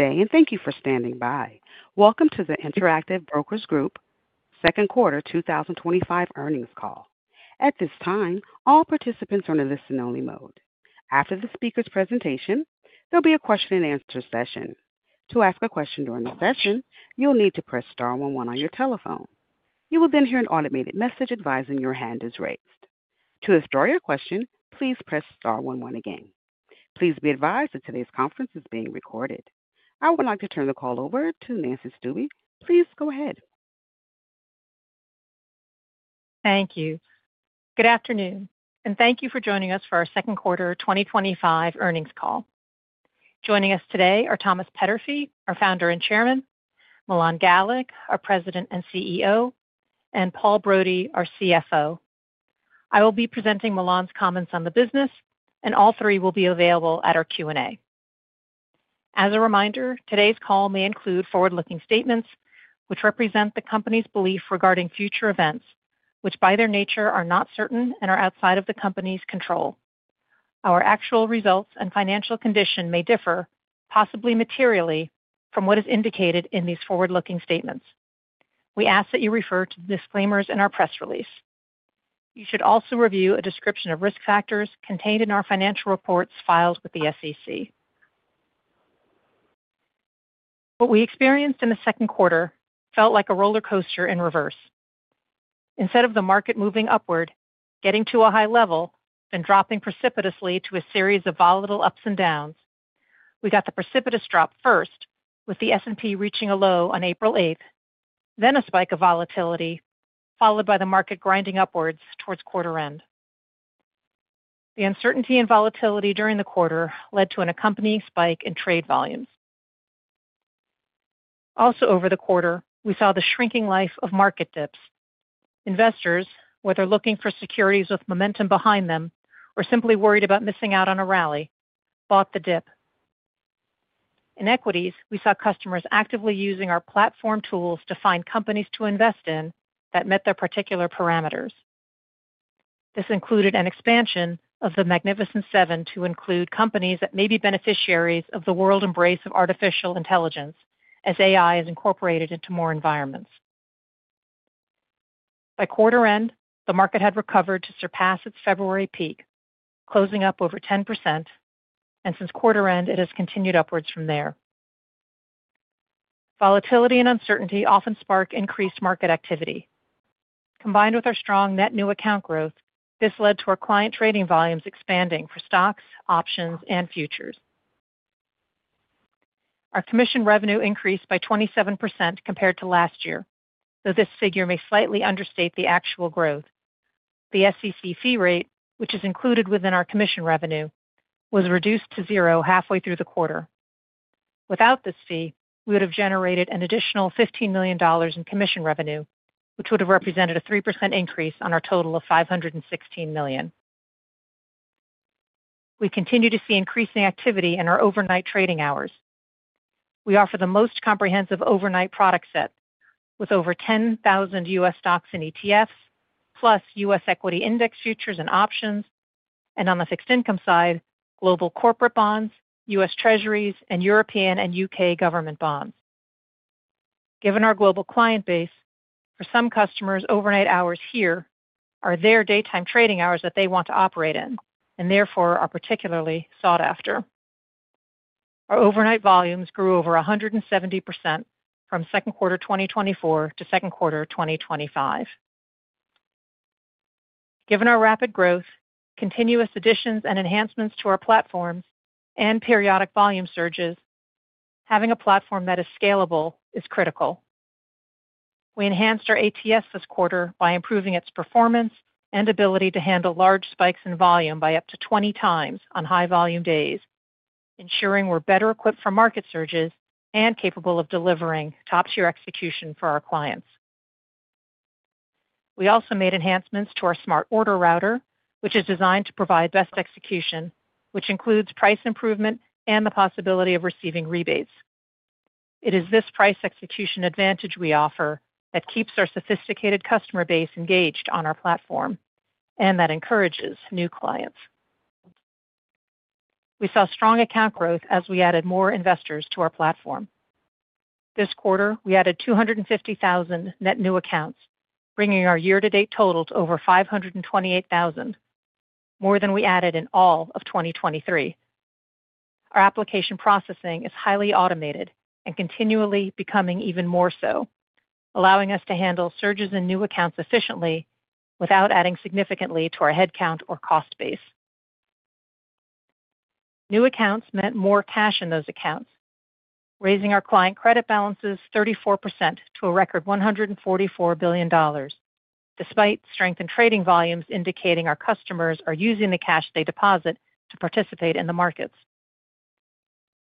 day and thank you for standing by. Welcome to the Interactive Brokers Group second quarter 2025 earnings call. At this time, all participants are in a listen-only mode. After the speaker's presentation, there'll be a question-and-answer session. To ask a question during the session, you'll need to press star one one on your telephone. You will then hear an automated message advising your hand is raised. To start your question, please press star one one again. Please be advised that today's conference is being recorded. I would like to turn the call over to Nancy Stuebe. Please go ahead. Thank you. Good afternoon, and thank you for joining us for our second quarter 2025 earnings call. Joining us today are Thomas Peterffy, our Founder and Chairman, Milan Galik, our President and CEO, and Paul Brody, our CFO. I will be presenting Milan's comments on the business, and all three will be available at our Q&A. As a reminder, today's call may include forward-looking statements which represent the company's belief regarding future events which, by their nature, are not certain and are outside of the company's control. Our actual results and financial condition may differ, possibly materially, from what is indicated in these forward-looking statements. We ask that you refer to the disclaimers in our press release. You should also review a description of risk factors contained in our financial reports filed with the SEC. What we experienced in the second quarter felt like a roller coaster in reverse. Instead of the market moving upward, getting to a high level, then dropping precipitously to a series of volatile ups and downs, we got the precipitous drop first, with the S&P reaching a low on April 8th, then a spike of volatility, followed by the market grinding upwards towards quarter end. The uncertainty and volatility during the quarter led to an accompanying spike in trade volumes. Also, over the quarter, we saw the shrinking life of market dips. Investors, whether looking for securities with momentum behind them or simply worried about missing out on a rally, bought the dip. In equities, we saw customers actively using our platform tools to find companies to invest in that met their particular parameters. This included an expansion of the Magnificent Seven to include companies that may be beneficiaries of the world's embrace of artificial intelligence as AI is incorporated into more environments. By quarter end, the market had recovered to surpass its February peak, closing up over 10%. And since quarter end, it has continued upwards from there. Volatility and uncertainty often spark increased market activity. Combined with our strong net new account growth, this led to our client trading volumes expanding for stocks, OPTION, and futures. Our commission revenue increased by 27% compared to last year, though this figure may slightly understate the actual growth. The SEC fee rate, which is included within our commission revenue, was reduced to zero halfway through the quarter. Without this fee, we would have generated an additional $15 million in commission revenue, which would have represented a 3% increase on our total of $516 million. We continue to see increasing activity in our overnight trading hours. We offer the most comprehensive overnight product set, with over 10,000 U.S. stocks and ETFs, plus U.S. equity Index futures and OPTION, and on the fixed income side, global corporate bonds, U.S. treasuries, and European and U.K. government bonds. Given our global client base, for some customers, overnight hours here are their daytime trading hours that they want to operate in and therefore are particularly sought after. Our overnight volumes grew over 170% from second quarter 2024 to second quarter 2025. Given our rapid growth, continuous additions and enhancements to our platforms, and periodic volume surges, having a platform that is scalable is critical. We enhanced our ATS this quarter by improving its performance and ability to handle large spikes in volume by up to 20 times on high volume days, ensuring we're better equipped for market surges and capable of delivering top-tier execution for our clients. We also made enhancements to our smart order router, which is designed to provide best execution, which includes price improvement and the possibility of receiving rebates. It is this price execution advantage we offer that keeps our sophisticated customer base engaged on our platform and that encourages new clients. We saw strong account growth as we added more investors to our platform. This quarter, we added 250,000 net new accounts, bringing our year-to-date total to over 528,000, more than we added in all of 2023. Our application processing is highly automated and continually becoming even more so, allowing us to handle surges in new accounts efficiently without adding significantly to our headcount or cost base. New accounts meant more cash in those accounts, raising our client credit balances 34% to a record $144 billion. Despite strength in trading volumes indicating our customers are using the cash they deposit to participate in the markets.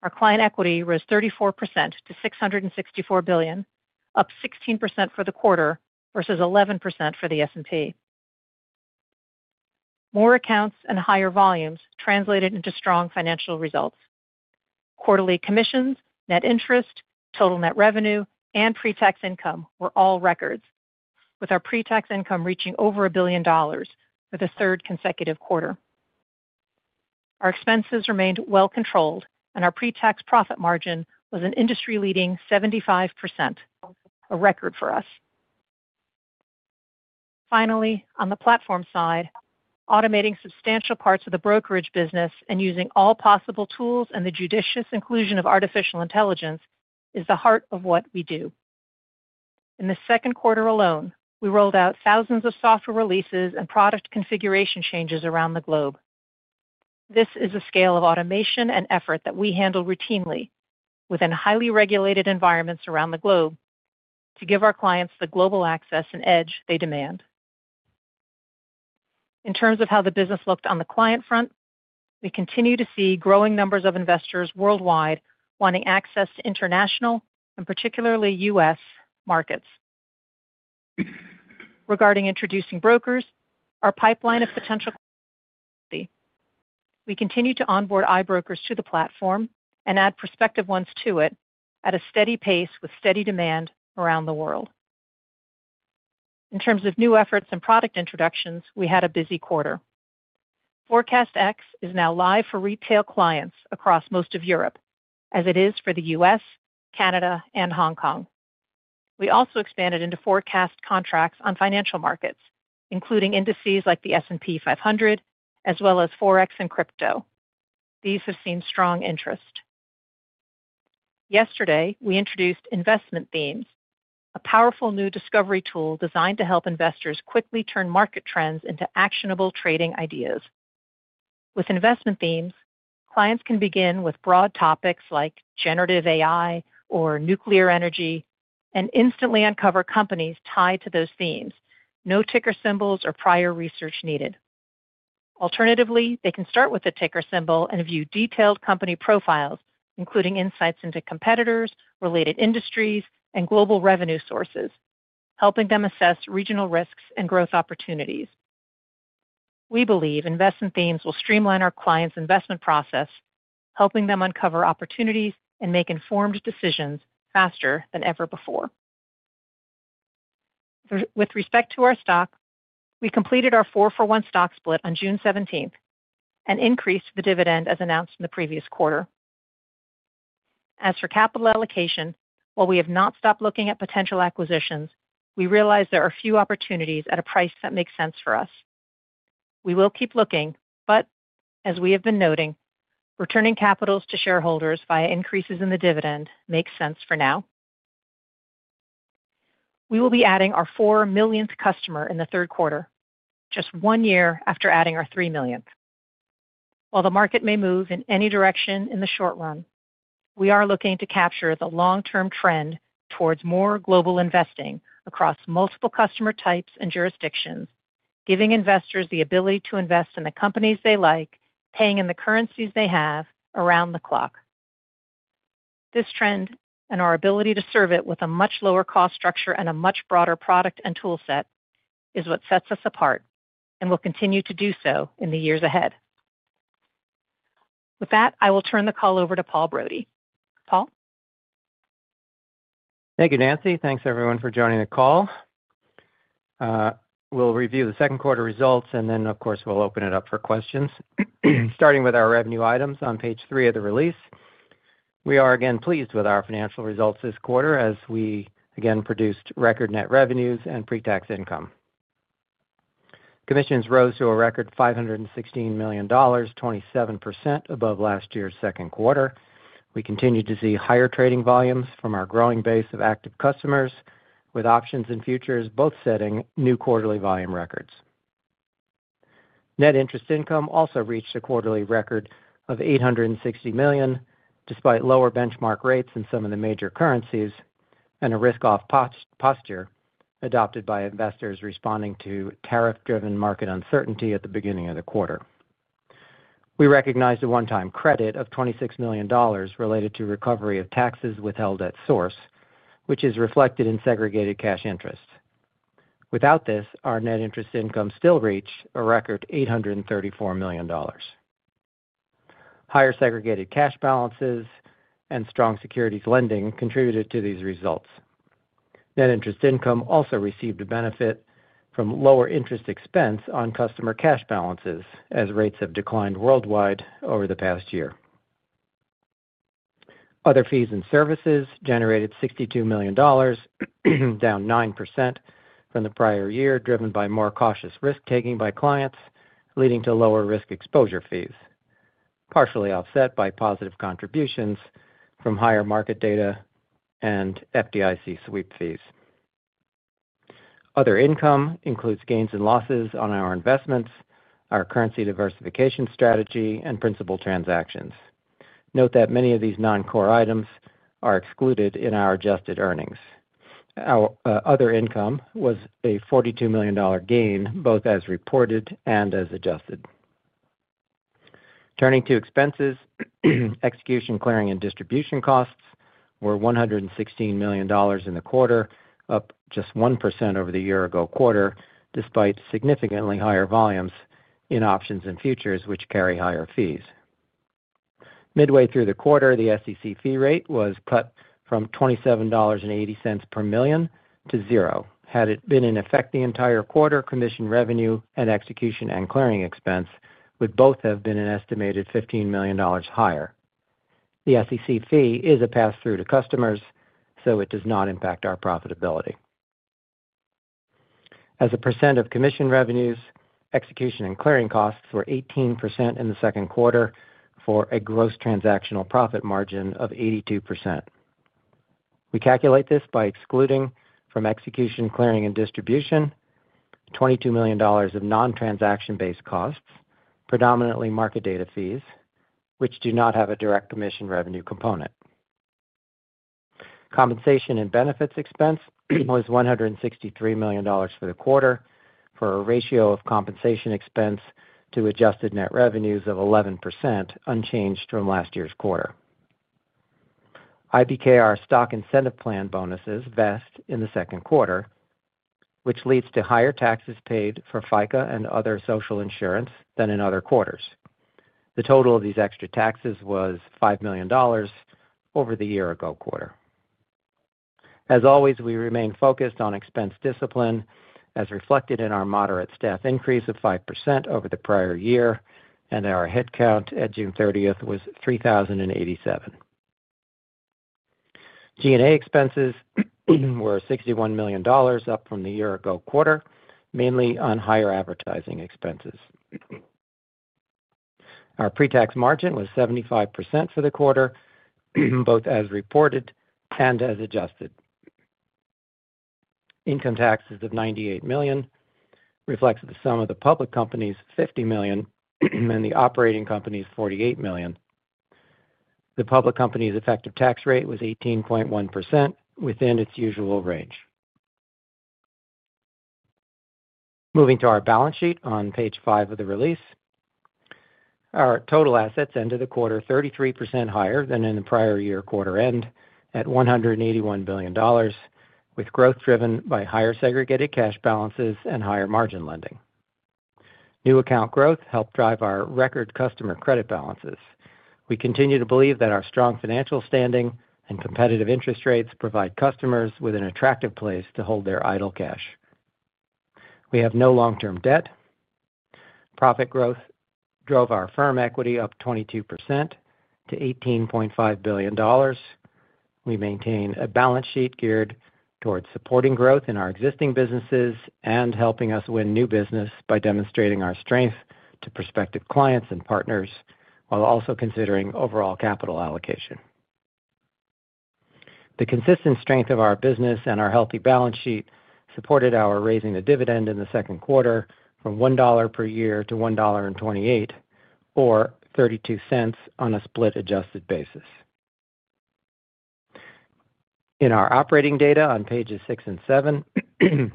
Our client equity rose 34% to $664 billion, up 16% for the quarter versus 11% for the S&P. More accounts and higher volumes translated into strong financial results. Quarterly commissions, net interest, total net revenue, and pre-tax income were all records, with our pre-tax income reaching over $1 billion for the third consecutive quarter. Our expenses remained well controlled, and our pre-tax profit margin was an industry-leading 75%. A record for us. Finally, on the platform side, automating substantial parts of the Brokerage business and using all possible tools and the judicious inclusion of artificial intelligence is the heart of what we do. In the second quarter alone, we rolled out thousands of software releases and product configuration changes around the globe. This is the scale of automation and effort that we handle routinely within highly regulated environments around the globe to give our clients the global access and edge they demand. In terms of how the business looked on the client front, we continue to see growing numbers of investors worldwide wanting access to international and particularly U.S. markets. Regarding introducing Brokers, our pipeline of potential. We continue to onboard introducing Brokers to the platform and add prospective ones to it at a steady pace with steady demand around the world. In terms of new efforts and product introductions, we had a busy quarter. Forecast Contracts is now live for retail clients across most of Europe, as it is for the U.S., Canada, and Hong Kong. We also expanded into forecast contracts on financial markets, including indices like the S&P 500, as well as Forex and crypto. These have seen strong interest. Yesterday, we introduced Investment Themes, a powerful new discovery tool designed to help investors quickly turn market trends into actionable trading ideas. With Investment Themes, clients can begin with broad topics like generative AI or nuclear energy and instantly uncover companies tied to those themes, no ticker symbols or prior research needed. Alternatively, they can start with a ticker symbol and view detailed company profiles, including insights into competitors, related industries, and global revenue sources, helping them assess regional risks and growth opportunities. We believe Investment Themes will streamline our clients' investment process, helping them uncover opportunities and make informed decisions faster than ever before. With respect to our stock, we completed our 4-for-1 stock split on June 17th and increased the dividend as announced in the previous quarter. As for capital allocation, while we have not stopped looking at potential acquisitions, we realize there are few opportunities at a price that makes sense for us. We will keep looking, but as we have been noting, returning capital to shareholders via increases in the dividend makes sense for now. We will be adding our four millionth customer in the third quarter, just one year after adding our three millionth. While the market may move in any direction in the short run, we are looking to capture the long-term trend towards more global investing across multiple customer types and jurisdictions, giving investors the ability to invest in the companies they like, paying in the currencies they have around the clock. This trend and our ability to serve it with a much lower cost structure and a much broader product and toolset is what sets us apart and will continue to do so in the years ahead. With that, I will turn the call over to Paul Brody. Paul? Thank you, Nancy. Thanks, everyone, for joining the call. We'll review the second quarter results, and then, of course, we'll open it up for questions, starting with our revenue items on page three of the release. We are again pleased with our financial results this quarter as we again produced record net revenues and pre-tax income. Commissions rose to a record $516 million, 27% above last year's second quarter. We continue to see higher trading volumes from our growing base of active customers, with OPTIONs and futures both setting new quarterly volume records. Net interest income also reached a quarterly record of $860 million, despite lower Benchmark rates in some of the major currencies and a risk-off posture adopted by investors responding to tariff-driven market uncertainty at the beginning of the quarter. We recognize the one-time credit of $26 million related to recovery of taxes withheld at source, which is reflected in segregated cash interest. Without this, our net interest income still reached a record $834 million. Higher segregated cash balances and strong securities lending contributed to these results. Net interest income also received a benefit from lower interest expense on customer cash balances as rates have declined worldwide over the past year. Other fees and services generated $62 million. Down 9% from the prior year, driven by more cautious risk-taking by clients, leading to lower risk exposure fees, partially offset by positive contributions from higher market data and FDIC sweep fees. Other income includes gains and losses on our investments, our currency diversification strategy, and principal transactions. Note that many of these non-core items are excluded in our adjusted earnings. Our other income was a $42 million gain, both as reported and as adjusted. Turning to expenses, execution, clearing, and distribution costs were $116 million in the quarter, up just 1% over the year-ago quarter, despite significantly higher volumes in OPTIONs and futures, which carry higher fees. Midway through the quarter, the SEC fee rate was cut from $27.80 per million to zero. Had it been in effect the entire quarter, commission revenue and execution and clearing expense would both have been an estimated $15 million higher. The SEC fee is a pass-through to customers, so it does not impact our profitability. As a percent of commission revenues, execution and clearing costs were 18% in the second quarter for a gross transactional profit margin of 82%. We calculate this by excluding from execution, clearing, and distribution $22 million of non-transaction-based costs, predominantly market data fees, which do not have a direct commission revenue component. Compensation and benefits expense was $163 million for the quarter, for a ratio of compensation expense to adjusted net revenues of 11%, unchanged from last year's quarter. IBKR stock incentive plan bonuses vest in the second quarter, which leads to higher taxes paid for FICA and other social insurance than in other quarters. The total of these extra taxes was $5 million. Over the year-ago quarter. As always, we remain focused on expense discipline, as reflected in our moderate staff increase of 5% over the prior year, and our headcount at June 30th was 3,087. G&A expenses were $61 million, up from the year-ago quarter, mainly on higher advertising expenses. Our pre-tax margin was 75% for the quarter, both as reported and as adjusted. Income taxes of $98 million reflect the sum of the public company's $50 million and the operating company's $48 million. The public company's effective tax rate was 18.1%, within its usual range. Moving to our balance sheet on page five of the release, our total assets ended the quarter 33% higher than in the prior year quarter-end at $181 billion, with growth driven by higher segregated cash balances and higher margin lending. New account growth helped drive our record customer credit balances. We continue to believe that our strong financial standing and competitive interest rates provide customers with an attractive place to hold their idle cash. We have no long-term debt. Profit growth drove our firm equity up 22% to $18.5 billion. We maintain a balance sheet geared towards supporting growth in our existing businesses and helping us win new business by demonstrating our strength to prospective clients and partners, while also considering overall capital allocation. The consistent strength of our business and our healthy balance sheet supported our raising the dividend in the second quarter from $1 per year to $1.28, or $0.32 on a split-adjusted basis. In our operating data on pages six and seven,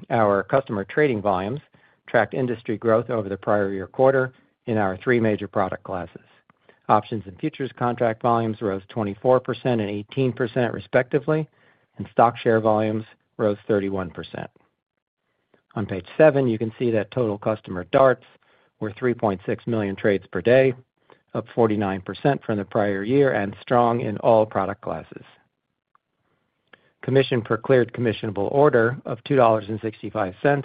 our customer trading volumes tracked industry growth over the prior year quarter in our three major product classes. OPTIONs and futures contract volumes rose 24% and 18%, respectively, and stock share volumes rose 31%. On page seven, you can see that total customer DARTs were 3.6 million trades per day, up 49% from the prior year and strong in all product classes. Commission per cleared commissionable order of $2.65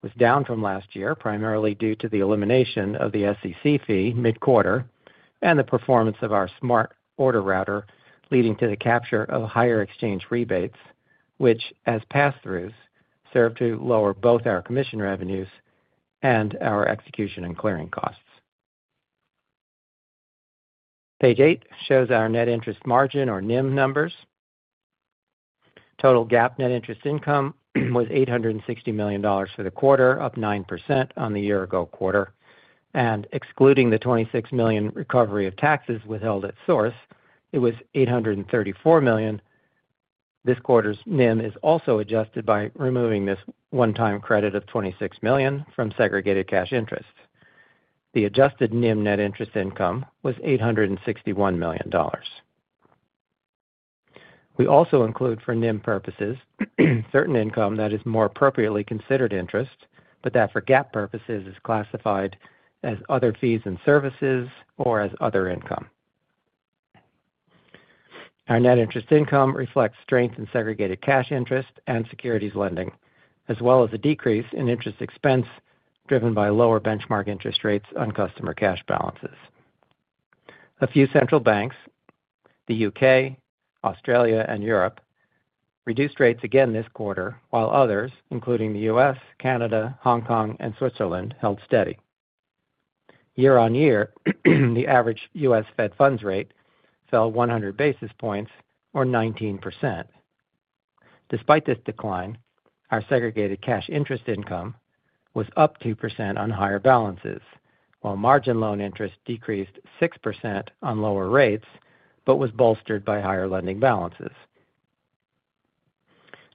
was down from last year, primarily due to the elimination of the SEC fee mid-quarter and the performance of our Smart order router, leading to the capture of higher exchange rebates, which, as pass-throughs, served to lower both our commission revenues and our execution and clearing costs. Page eight shows our net interest margin, or NIM, numbers. Total GAAP net interest income was $860 million for the quarter, up 9% on the year-ago quarter. And excluding the $26 million recovery of taxes withheld at source, it was $834 million. This quarter's NIM is also adjusted by removing this one-time credit of $26 million from segregated cash interest. The adjusted NIM net interest income was $861 million. We also include for NIM purposes certain income that is more appropriately considered interest, but that for GAAP purposes is classified as other fees and services or as other income. Our net interest income reflects strength in segregated cash interest and securities lending, as well as a decrease in interest expense driven by lower Benchmark interest rates on customer cash balances. A few central banks, the U.K., Australia, and Europe, reduced rates again this quarter, while others, including the U.S., Canada, Hong Kong, and Switzerland, held steady. Year-on-year, the average U.S. Fed funds rate fell 100 basis points, or 19%. Despite this decline, our segregated cash interest income was up 2% on higher balances, while margin loan interest decreased 6% on lower rates but was bolstered by higher lending balances.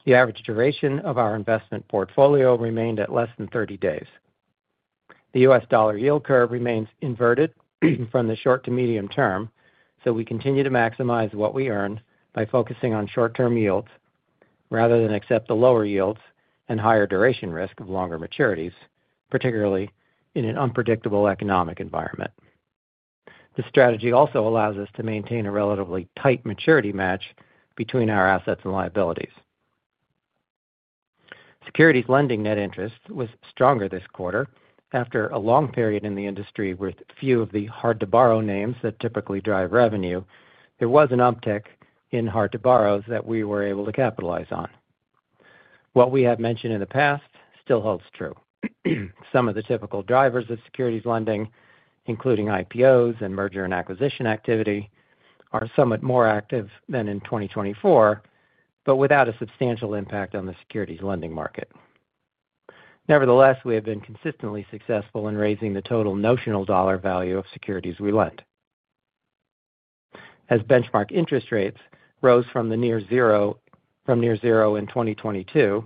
The average duration of our investment portfolio remained at less than 30 days. The U.S. dollar yield curve remains inverted from the short to medium term, so we continue to maximize what we earn by focusing on short-term yields rather than accept the lower yields and higher duration risk of longer maturities, particularly in an unpredictable economic environment. The strategy also allows us to maintain a relatively tight maturity match between our assets and liabilities. Securities lending net interest was stronger this quarter after a long period in the industry with few of the hard-to-borrow names that typically drive revenue. There was an uptick in hard-to-borrows that we were able to capitalize on. What we have mentioned in the past still holds true. Some of the typical drivers of securities lending, including IPOs and merger and acquisition activity, are somewhat more active than in 2024, but without a substantial impact on the securities lending market. Nevertheless, we have been consistently successful in raising the total notional dollar value of securities we lent. As Benchmark interest rates rose from near zero in 2022,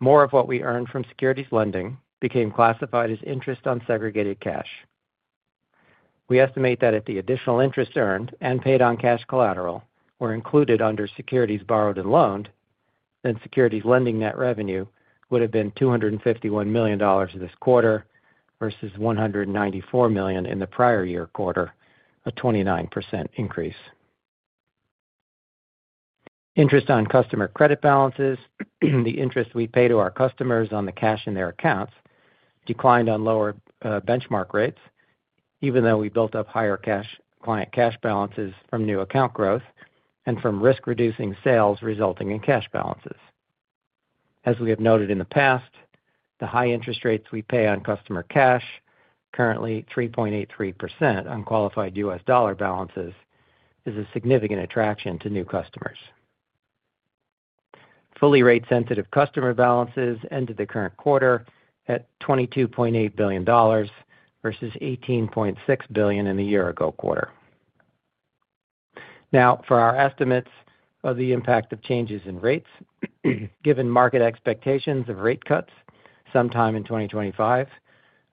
more of what we earned from securities lending became classified as interest on segregated cash. We estimate that if the additional interest earned and paid on cash collateral were included under securities borrowed and loaned, then securities lending net revenue would have been $251 million this quarter versus $194 million in the prior year quarter, a 29% increase. Interest on customer credit balances, the interest we pay to our customers on the cash in their accounts, declined on lower Benchmark rates, even though we built up higher client cash balances from new account growth and from risk-reducing sales resulting in cash balances. As we have noted in the past, the high interest rates we pay on customer cash, currently 3.83% on qualified U.S. dollar balances, is a significant attraction to new customers. Fully rate-sensitive customer balances ended the current quarter at $22.8 billion versus $18.6 billion in the year-ago quarter. Now, for our estimates of the impact of changes in rates, given market expectations of rate cuts sometime in 2025,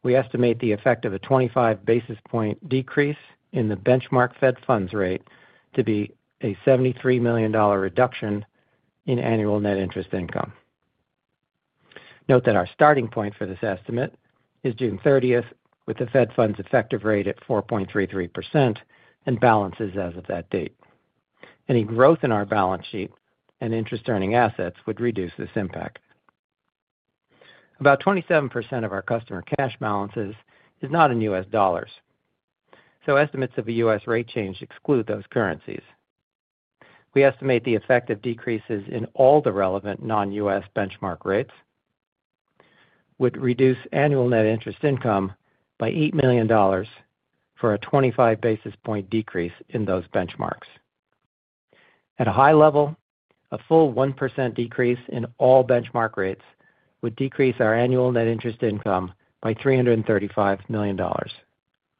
we estimate the effect of a 25 basis point decrease in the Benchmark Fed funds rate to be a $73 million reduction in annual net interest income. Note that our starting point for this estimate is June 30th, with the Fed funds effective rate at 4.33% and balances as of that date. Any growth in our balance sheet and interest-earning assets would reduce this impact. About 27% of our customer cash balances is not in U.S. dollars, so estimates of a U.S. rate change exclude those currencies. We estimate the effect of decreases in all the relevant non-U.S. Benchmark rates. Would reduce annual net interest income by $8 million. For a 25 basis point decrease in those Benchmarks. At a high level, a full 1% decrease in all Benchmark rates would decrease our annual net interest income by $335 million.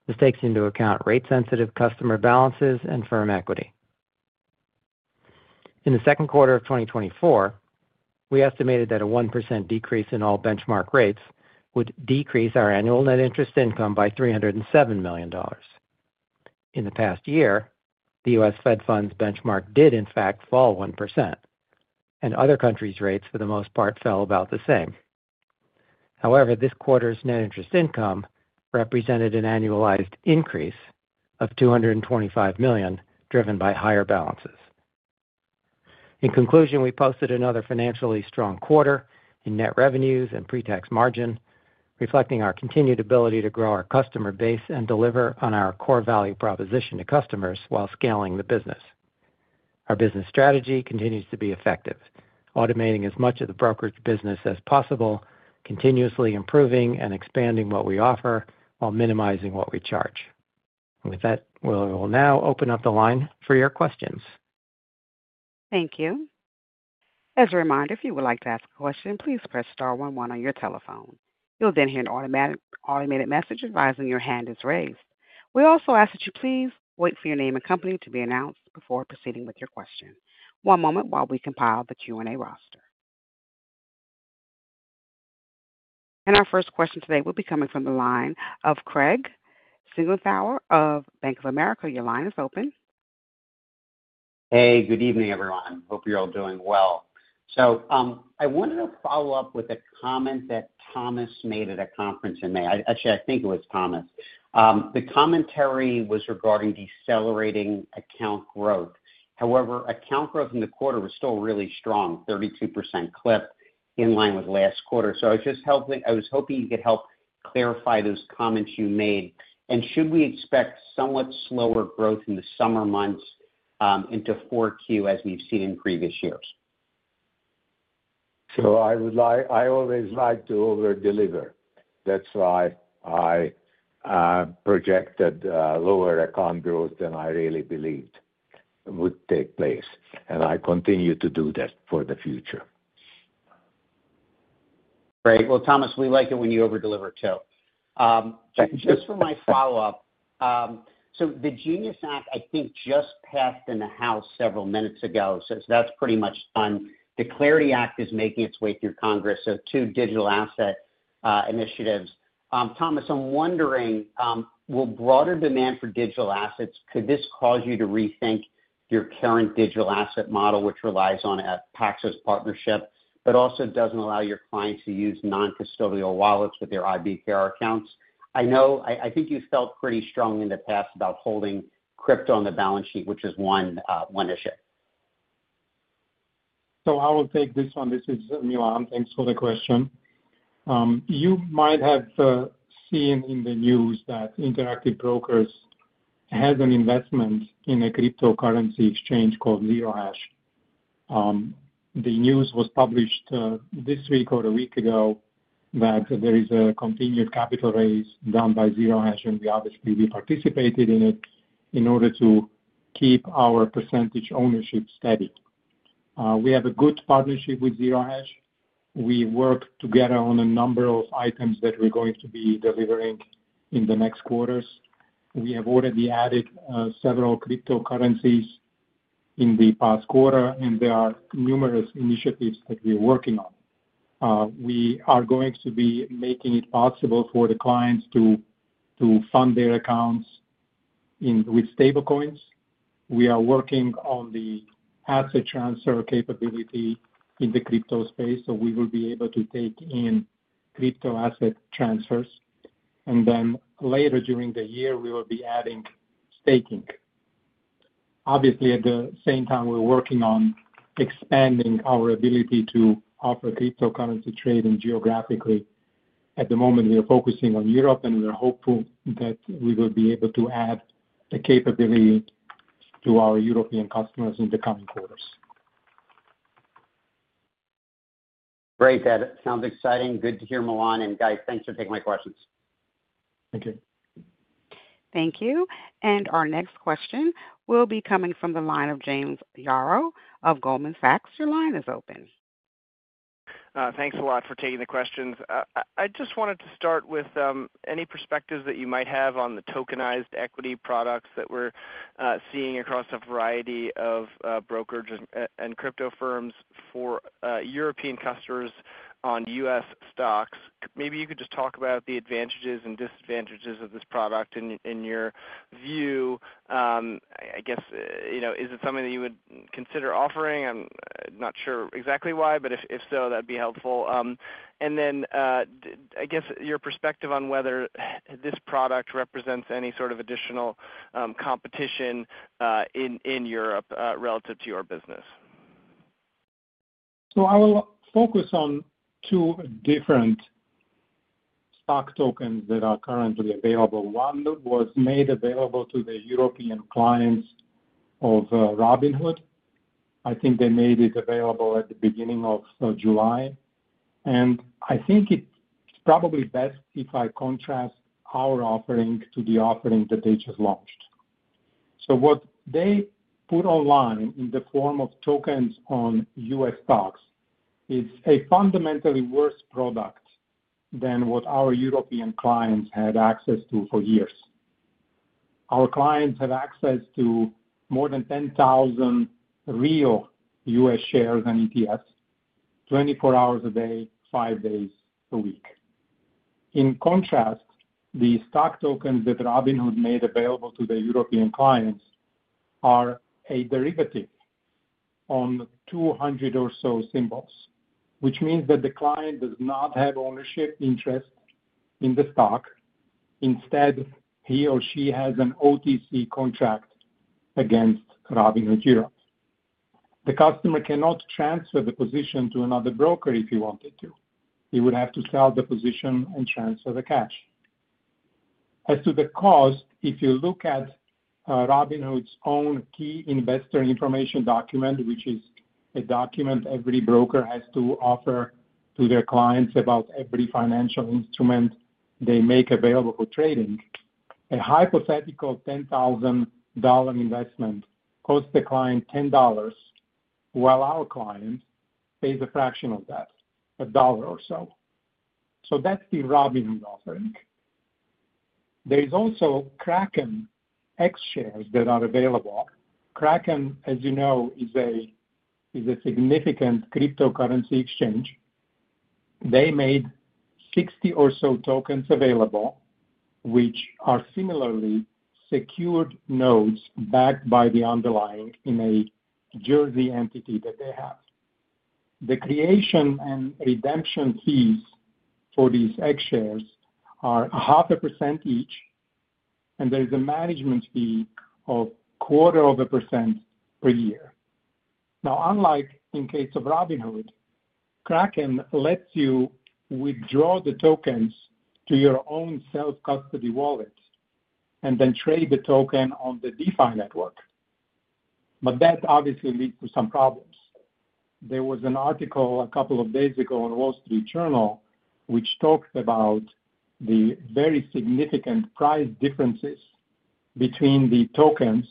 This takes into account rate-sensitive customer balances and firm equity. In the second quarter of 2024, we estimated that a 1% decrease in all Benchmark rates would decrease our annual net interest income by $307 million. In the past year, the U.S. Fed funds Benchmark did, in fact, fall 1%. And other countries' rates, for the most part, fell about the same. However, this quarter's net interest income represented an annualized increase of $225 million, driven by higher balances. In conclusion, we posted another financially strong quarter in net revenues and pre-tax margin, reflecting our continued ability to grow our customer base and deliver on our core value proposition to customers while scaling the business. Our business strategy continues to be effective, automating as much of the Brokerage business as possible, continuously improving and expanding what we offer while minimizing what we charge. With that, we will now open up the line for your questions. Thank you. As a reminder, if you would like to ask a question, please press star one one on your telephone. You'll then hear an automated message advising your hand is raised. We also ask that you please wait for your name and company to be announced before proceeding with your question. One moment while we compile the Q&A roster. And our first question today will be coming from the line of Craig Siegenthaler of Bank of America. Your line is open. Hey, good evening, everyone. Hope you're all doing well. So I wanted to follow up with a comment that Thomas made at a conference in May. Actually, I think it was Thomas. The commentary was regarding decelerating account growth. However, account growth in the quarter was still really strong, 32% clip, in line with last quarter. So I was just hoping you could help clarify those comments you made. And should we expect somewhat slower growth in the summer months into 4Q as we've seen in previous years? So I always like to overdeliver. That's why I. Projected lower account growth than I really believed. Would take place. And I continue to do that for the future. Great. Well, Thomas, we like it when you overdeliver too. Just for my follow-up. So the Genius Act, I think, just passed in the House several minutes ago, so that's pretty much done. The Clarity Act is making its way through Congress, so two digital asset initiatives. Thomas, I'm wondering, will broader demand for digital assets, could this cause you to rethink your current digital asset model, which relies on a Paxos partnership, but also doesn't allow your clients to use non-custodial wallets with their IBKR accounts? I think you felt pretty strong in the past about holding crypto on the balance sheet, which is one issue. So I will take this one. This is Milan. Thanks for the question. You might have seen in the news that Interactive Brokers has an investment in a cryptocurrency exchange called Zero Hash. The news was published this week or a week ago that there is a continued capital raise done by Zero Hash, and we obviously participated in it in order to keep our percentage ownership steady. We have a good partnership with Zero Hash. We work together on a number of items that we're going to be delivering in the next quarters. We have already added several cryptocurrencies in the past quarter, and there are numerous initiatives that we're working on. We are going to be making it possible for the clients to fund their accounts with stablecoins. We are working on the asset transfer capability in the crypto space, so we will be able to take in crypto asset transfers. And then later during the year, we will be adding staking. Obviously, at the same time, we're working on expanding our ability to offer cryptocurrency trade geographically. At the moment, we are focusing on Europe, and we're hopeful that we will be able to add the capability to our European customers in the coming quarters. Great. That sounds exciting. Good to hear, Milan. And guys, thanks for taking my questions. Thank you. Thank you. And our next question will be coming from the line of James Yarrow of Goldman Sachs. Your line is open. Thanks a lot for taking the questions. I just wanted to start with any perspectives that you might have on the tokenized equity products that we're seeing across a variety of Brokers and crypto firms for European customers on U.S. stocks. Maybe you could just talk about the advantages and disadvantages of this product in your view. I guess, is it something that you would consider offering? I'm not sure exactly why, but if so, that'd be helpful. And then, I guess, your perspective on whether this product represents any sort of additional competition in Europe relative to your business. So I will focus on two different stock tokens that are currently available. One was made available to the European clients of Robinhood. I think they made it available at the beginning of July. And I think it's probably best if I contrast our offering to the offering that they just launched. So what they put online in the form of tokens on U.S. stocks is a fundamentally worse product than what our European clients had access to for years. Our clients have access to more than 10,000 real U.S. shares and ETFs 24 hours a day, 5 days a week. In contrast, the stock tokens that Robinhood made available to the European clients are a derivative on 200 or so symbols, which means that the client does not have ownership interest in the stock. Instead, he or she has an OTC contract against Robinhood Europe. The customer cannot transfer the position to another Broker if he wanted to. He would have to sell the position and transfer the cash. As to the cost, if you look at Robinhood's own key investor information document, which is a document every Broker has to offer to their clients about every financial instrument they make available for trading, a hypothetical $10,000 investment costs the client $10. While our client pays a fraction of that, a dollar or so. So that's the Robinhood offering. There is also Kraken X shares that are available. Kraken, as you know, is a significant cryptocurrency exchange. They made 60 or so tokens available, which are similarly secured notes backed by the underlying in a Jersey entity that they have. The creation and redemption fees for these X shares are 0.5% each. And there is a management fee of 0.25% per year. Now, unlike in the case of Robinhood, Kraken lets you withdraw the tokens to your own self-custody wallet and then trade the token on the DeFi network. But that obviously leads to some problems. There was an article a couple of days ago in the Wall Street Journal which talked about the very significant price differences between the tokens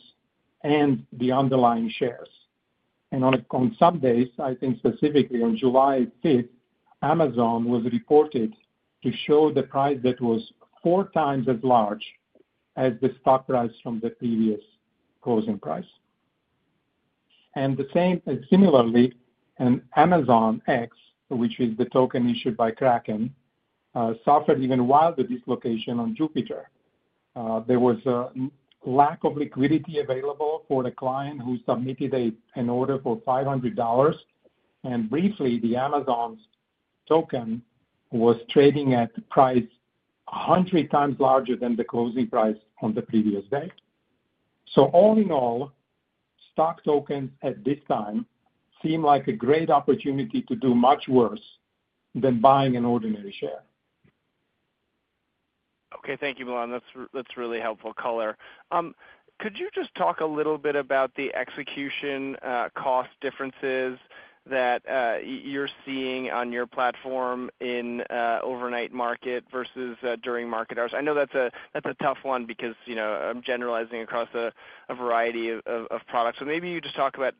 and the underlying shares. And on some days, I think specifically on July 5th, Amazon was reported to show the price that was four times as large as the stock price from the previous closing price. And similarly, an Amazon X, which is the token issued by Kraken, suffered even while the dislocation on Jupiter. There was a lack of liquidity available for the client who submitted an order for $500. And briefly, the Amazon token was trading at a price 100 times larger than the closing price on the previous day. So all in all, stock tokens at this time seem like a great opportunity to do much worse than buying an ordinary share. Okay. Thank you, Milan. That's really helpful color. Could you just talk a little bit about the execution cost differences that you're seeing on your platform in overnight market versus during market hours? I know that's a tough one because I'm generalizing across a variety of products. So maybe you could just talk about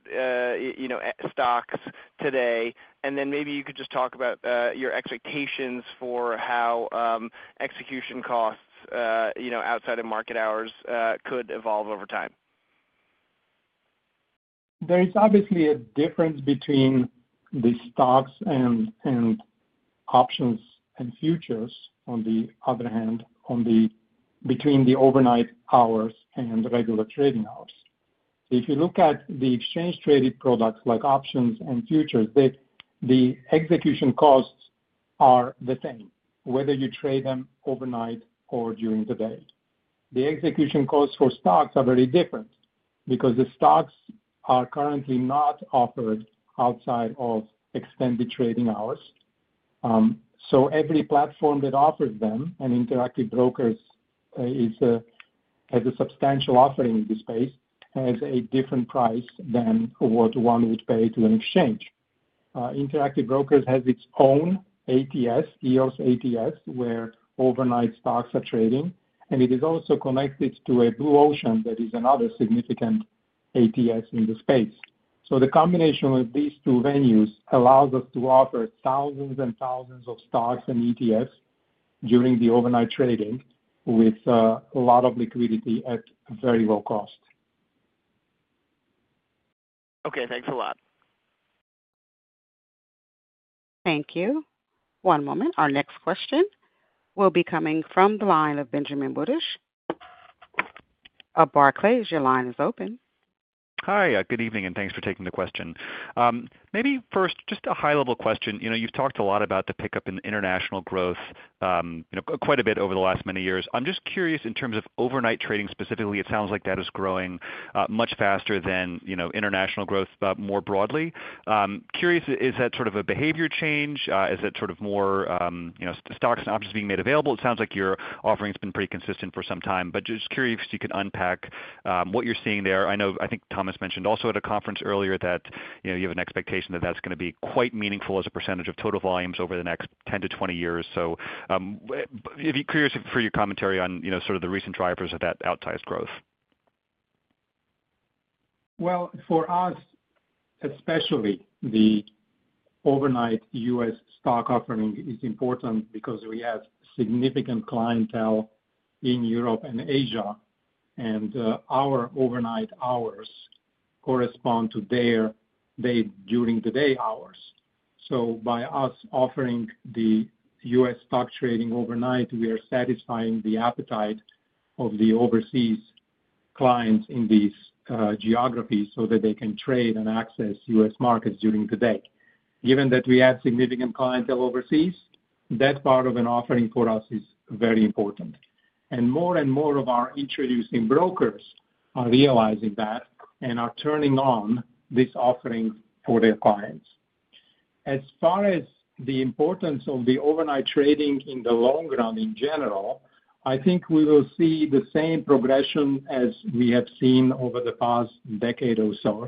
stocks today, and then maybe you could just talk about your expectations for how execution costs outside of market hours could evolve over time. There is obviously a difference between the stocks and OPTIONs and futures, on the other hand, between the overnight hours and regular trading hours. If you look at the exchange-traded products like OPTIONs and futures, the execution costs are the same, whether you trade them overnight or during the day. The execution costs for stocks are very different because the stocks are currently not offered outside of extended trading hours. So every platform that offers them, and Interactive Brokers, has a substantial offering in this space, has a different price than what one would pay to an exchange. Interactive Brokers has its own ATS, EOS ATS, where overnight stocks are trading. And it is also connected to a Blue Ocean that is another significant ATS in the space. So the combination of these two venues allows us to offer thousands and thousands of stocks and ETFs during the overnight trading with a lot of liquidity at very low cost. Okay. Thanks a lot. Thank you. One moment. Our next question will be coming from the line of Benjamin Budish of Barclays, your line is open. Hi. Good evening and thanks for taking the question. Maybe first, just a high-level question. You've talked a lot about the pickup in international growth. Quite a bit over the last many years. I'm just curious in terms of overnight trading specifically, it sounds like that is growing much faster than. International growth more broadly. Curious, is that sort of a behavior change? Is that sort of more. Stocks and OPTIONs being made available? It sounds like your offering has been pretty consistent for some time, but just curious if you could unpack what you're seeing there. I think Thomas mentioned also at a conference earlier that you have an expectation that that's going to be quite meaningful as a percentage of total volumes over the next 10-20 years. So. I'd be curious for your commentary on sort of the recent drivers of that outsized growth. Well, for us. Especially the. Overnight U.S. stock offering is important because we have significant clientele in Europe and Asia, and our overnight hours. Correspond to their. During-the-day hours. So by us offering the U.S. stock trading overnight, we are satisfying the appetite of the overseas clients in these geographies so that they can trade and access U.S. markets during the day. Given that we have significant clientele overseas, that part of an offering for us is very important. And more and more of our introducing Brokers are realizing that and are turning on this offering for their clients. As far as the importance of the overnight trading in the long run in general, I think we will see the same progression as we have seen over the past decade or so.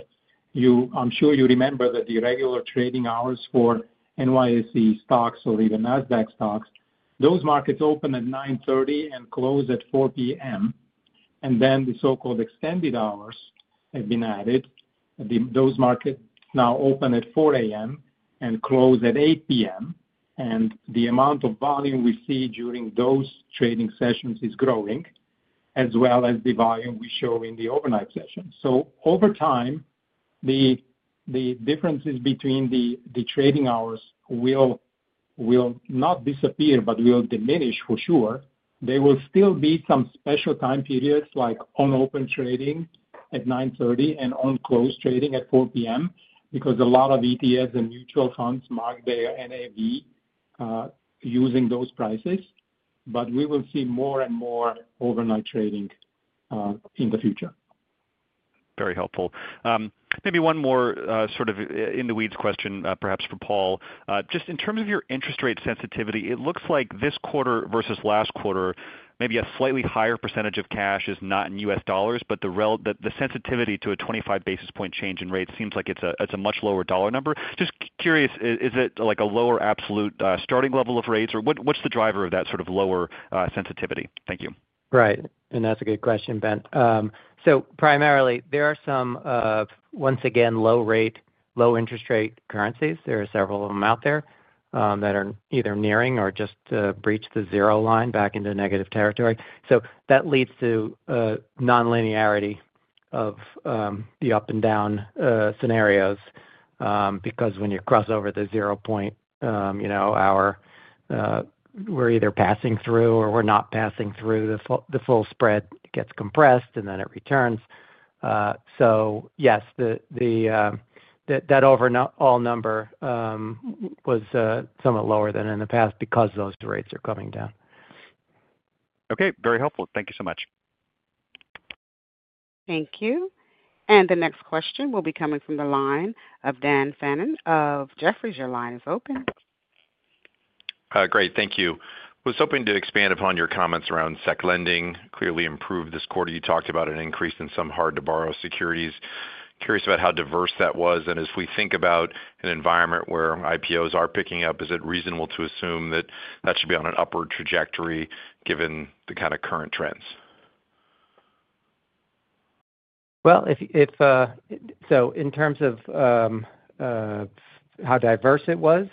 I'm sure you remember that the regular trading hours for NYSE stocks or even NASDAQ stocks, those markets open at 9:30 and close at 4:00 P.M. And then the so-called extended hours have been added. Those markets now open at 4:00 A.M. and close at 8:00 P.M. And the amount of volume we see during those trading sessions is growing, as well as the volume we show in the overnight sessions. So over time, the differences between the trading hours will not disappear, but will diminish for sure. There will still be some special time periods like on-open trading at 9:30 A.M. and on-close trading at 4:00 P.M. because a lot of ETFs and mutual funds mark their NAV using those prices. But we will see more and more overnight trading in the future. Very helpful. Maybe one more sort of in-the-weeds question, perhaps for Paul. Just in terms of your interest rate sensitivity, it looks like this quarter versus last quarter, maybe a slightly higher percentage of cash is not in U.S. dollars, but the sensitivity to a 25 basis points change in rates seems like it's a much lower dollar number. Just curious, is it a lower absolute starting level of rates, or what's the driver of that sort of lower sensitivity? Thank you. Right. And that's a good question, Ben. So primarily, there are some, once again, low-rate, low-interest rate currencies. There are several of them out there that are either nearing or just breached the zero line back into negative territory. So that leads to non-linearity of the up-and-down scenarios. Because when you cross over the zero-point hour, we're either passing through or we're not passing through, the full spread gets compressed, and then it returns. So yes. That overall number was somewhat lower than in the past because those rates are coming down. Okay. Very helpful. Thank you so much. Thank you. And the next question will be coming from the line of Dan Fannon of Jefferies. Your line is open. Great. Thank you. I was hoping to expand upon your comments around securities lending clearly improved this quarter. You talked about an increase in some hard-to-borrow securities. Curious about how diverse that was. And as we think about an environment where IPOs are picking up, is it reasonable to assume that that should be on an upward trajectory given the kind of current trends? Well, so in terms of how diverse it was,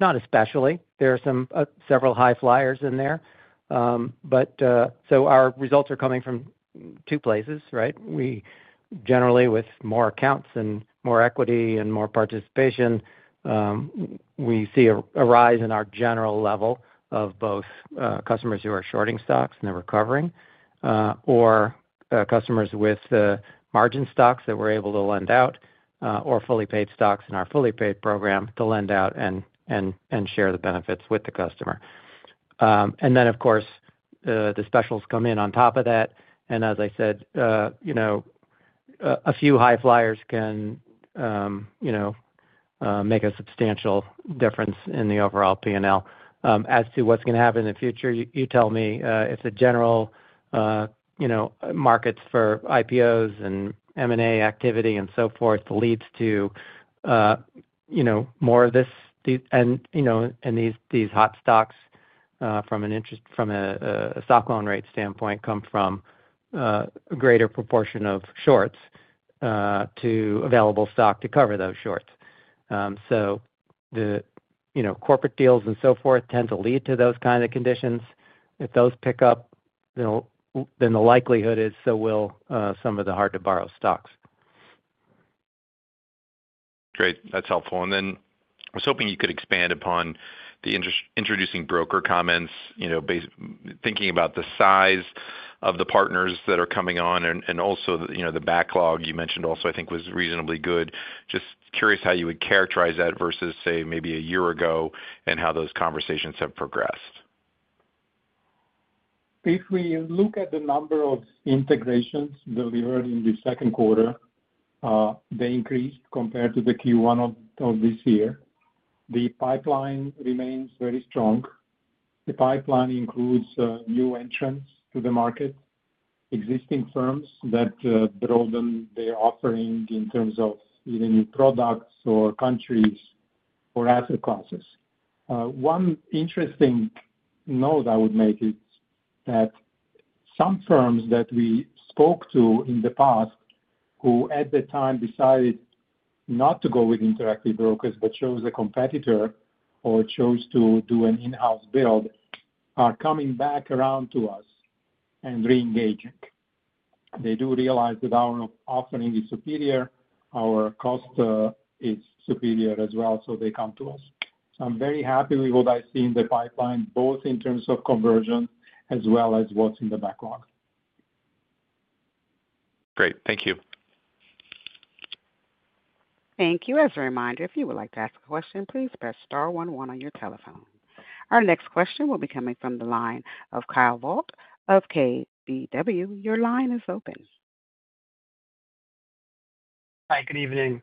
not especially. There are several high flyers in there. So our results are coming from two places, right? Generally, with more accounts and more equity and more participation, we see a rise in our general level of both customers who are shorting stocks and they're recovering, or customers with margin stocks that we're able to lend out, or fully-paid stocks in our fully-paid program to lend out and share the benefits with the customer. And then, of course, the specials come in on top of that. And as I said, a few high flyers can make a substantial difference in the overall P&L. As to what's going to happen in the future, you tell me. If the general markets for IPOs and M&A activity and so forth leads to more of this, and these hot stocks from. From a stock loan rate standpoint come from a greater proportion of shorts to available stock to cover those shorts. So corporate deals and so forth tend to lead to those kinds of conditions. If those pick up, then the likelihood is so will some of the hard-to-borrow stocks. Great. That's helpful. And then I was hoping you could expand upon the introducing Broker comments, thinking about the size of the partners that are coming on, and also the backlog you mentioned also, I think, was reasonably good. Just curious how you would characterize that versus, say, maybe a year ago and how those conversations have progressed. If we look at the number of integrations delivered in the second quarter, they increased compared to the Q1 of this year. The pipeline remains very strong. The pipeline includes new entrants to the market. Existing firms that broaden their offering in terms of either new products or countries or asset classes. One interesting note I would make is that some firms that we spoke to in the past who at the time decided not to go with Interactive Brokers but chose a competitor or chose to do an in-house build are coming back around to us and re-engaging. They do realize that our offering is superior, our cost is superior as well, so they come to us. So I'm very happy with what I see in the pipeline, both in terms of conversion as well as what's in the backlog. Great. Thank you. Thank you. As a reminder, if you would like to ask a question, please press starone one on your telephone. Our next question will be coming from the line of Kyle Voigt of KBW. Your line is open. Hi. Good evening.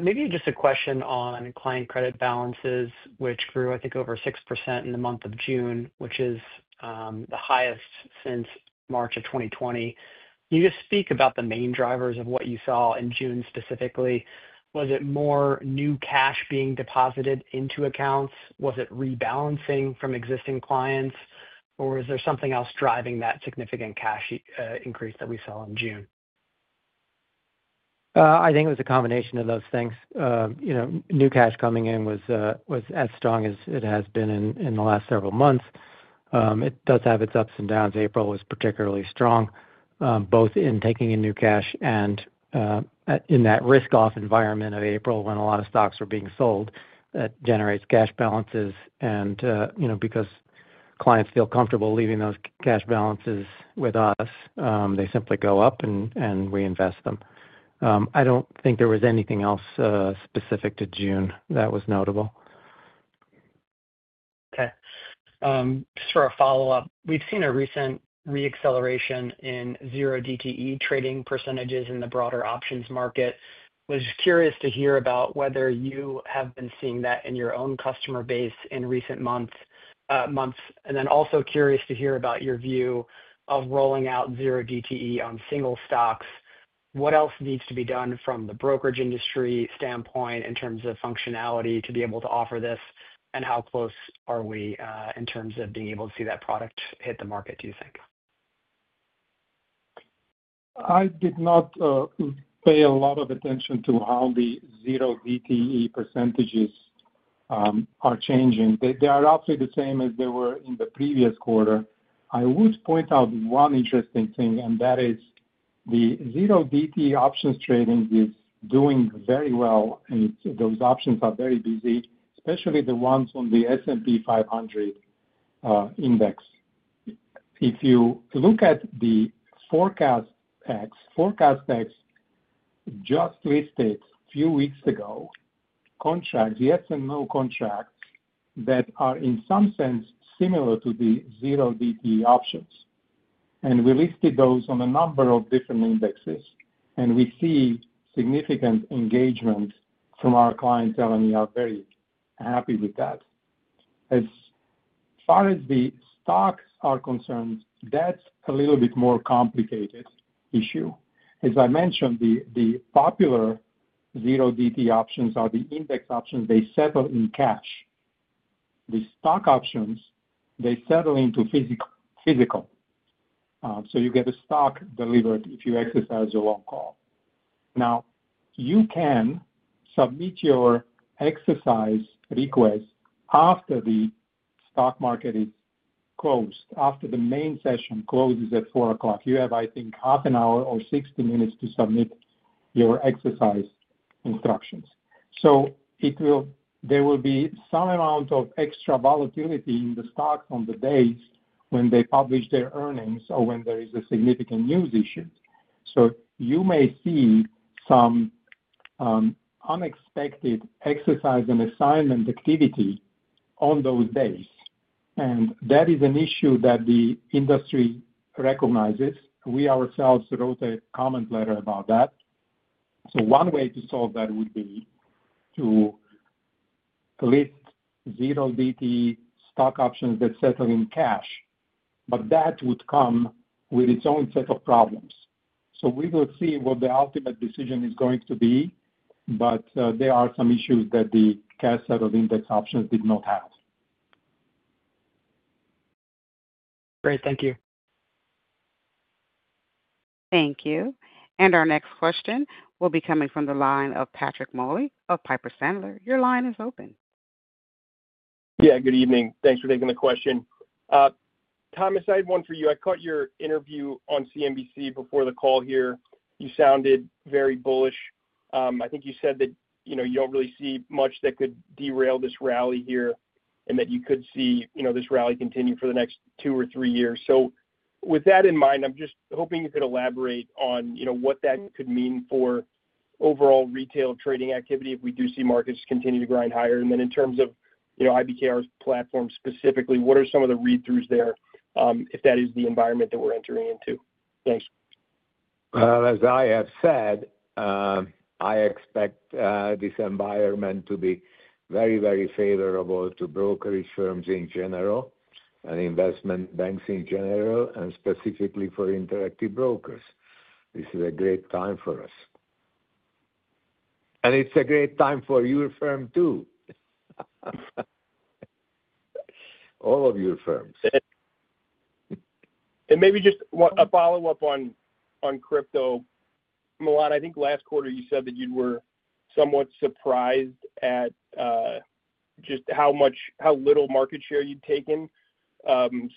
Maybe just a question on client credit balances, which grew, I think, over 6% in the month of June, which is the highest since March of 2020. Can you just speak about the main drivers of what you saw in June specifically? Was it more new cash being deposited into accounts? Was it rebalancing from existing clients? Or is there something else driving that significant cash increase that we saw in June? I think it was a combination of those things. New cash coming in was as strong as it has been in the last several months. It does have its ups and downs. April was particularly strong both in taking in new cash and in that risk-off environment of April when a lot of stocks were being sold that generates cash balances. And because clients feel comfortable leaving those cash balances with us, they simply go up and reinvest them. I don't think there was anything else specific to June that was notable. Okay. Just for a follow-up, we've seen a recent re-acceleration in zero DTE trading percentages in the broader OPTIONs market. I was curious to hear about whether you have been seeing that in your own customer base in recent months. And then also curious to hear about your view of rolling out zero DTE on single stocks. What else needs to be done from the brokerage industry standpoint in terms of functionality to be able to offer this, and how close are we in terms of being able to see that product hit the market, do you think? I did not pay a lot of attention to how the zero DTE percentages are changing. They are roughly the same as they were in the previous quarter. I would point out one interesting thing, and that is the zero DTE OPTIONs trading is doing very well. Those OPTIONs are very busy, especially the ones on the S&P 500 Index. If you look at the Forecast Contracts just listed a few weeks ago, yes and no contracts, that are in some sense similar to the zero DTE OPTIONs. And we listed those on a number of different Indexes, and we see significant engagement from our clientele, and we are very happy with that. As far as the stocks are concerned, that's a little bit more complicated issue. As I mentioned, the popular zero DTE OPTIONs are the Index OPTIONs. They settle in cash. The stock OPTIONs, they settle into physical. So you get a stock delivered if you exercise your long call. Now, you can submit your exercise request after the stock market is closed, after the main session closes at 4 o'clock. You have, I think, half an hour or 60 minutes to submit your exercise instructions. So there will be some amount of extra volatility in the stocks on the days when they publish their earnings or when there is a significant news issue. So you may see some unexpected exercise and assignment activity on those days. And that is an issue that the industry recognizes. We ourselves wrote a comment letter about that. So one way to solve that would be to list zero DTE stock OPTIONs that settle in cash. But that would come with its own set of problems. So we will see what the ultimate decision is going to be, but there are some issues that the cash-settled Index OPTIONs did not have. Great. Thank you. Thank you. And our next question will be coming from the line of Patrick Moley of Piper Sandler. Your line is open. Yeah. Good evening. Thanks for taking the question. Thomas, I had one for you. I caught your interview on CNBC before the call here. You sounded very bullish. I think you said that you don't really see much that could derail this rally here and that you could see this rally continue for the next two or three years. So with that in mind, I'm just hoping you could elaborate on what that could mean for overall retail trading activity if we do see markets continue to grind higher. And then in terms of IBKR's platform specifically, what are some of the read-throughs there if that is the environment that we're entering into? Thanks. As I have said, I expect this environment to be very, very favorable to brokerage firms in general and investment banks in general, and specifically for Interactive Brokers. This is a great time for us. And it's a great time for your firm too. All of your firms. And maybe just a follow-up on crypto. Milan, I think last quarter you said that you were somewhat surprised at just how little market share you'd taken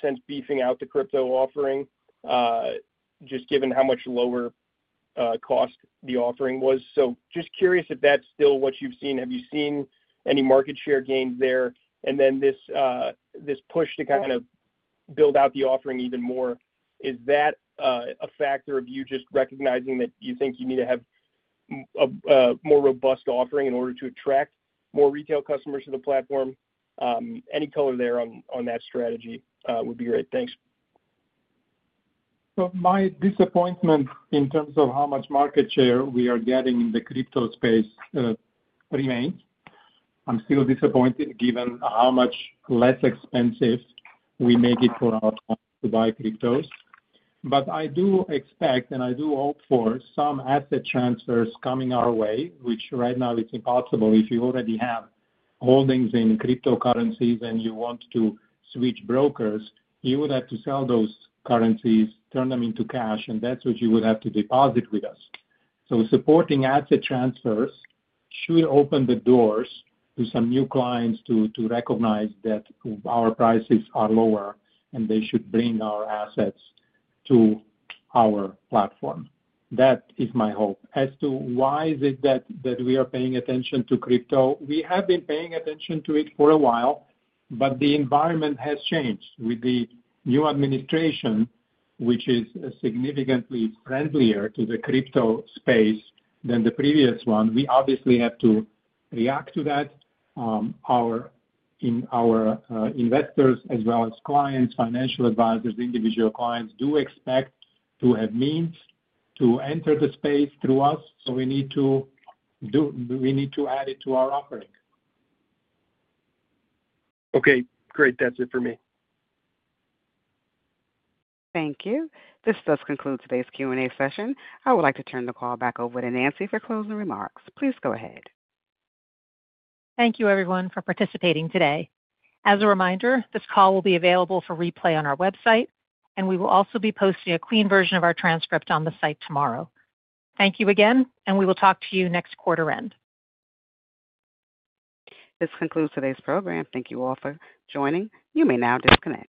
since beefing up the crypto offering, just given how much lower cost the offering was. So just curious if that's still what you've seen. Have you seen any market share gains there? And then this push to kind of build out the offering even more, is that a factor of you just recognizing that you think you need to have a more robust offering in order to attract more retail customers to the platform? Any color there on that strategy would be great. Thanks. So my disappointment in terms of how much market share we are getting in the crypto space remains. I'm still disappointed given how much less expensive we make it for our clients to buy cryptos. But I do expect and I do hope for some asset transfers coming our way, which right now it's impossible. If you already have holdings in cryptocurrencies and you want to switch Brokers, you would have to sell those currencies, turn them into cash, and that's what you would have to deposit with us. So supporting asset transfers should open the doors to some new clients to recognize that our prices are lower and they should bring our assets to our platform. That is my hope. As to why is it that we are paying attention to crypto? We have been paying attention to it for a while, but the environment has changed with the new administration, which is significantly friendlier to the crypto space than the previous one. We obviously have to react to that. Our investors, as well as clients, financial advisors, individual clients do expect to have means to enter the space through us. So we need to add it to our offering. Okay. Great. That's it for me. Thank you. This does conclude today's Q&A session. I would like to turn the call back over to Nancy for closing remarks. Please go ahead. Thank you, everyone, for participating today. As a reminder, this call will be available for replay on our website, and we will also be posting a clean version of our transcript on the site tomorrow. Thank you again, and we will talk to you next quarter-end. This concludes today's program. Thank you all for joining. You may now disconnect.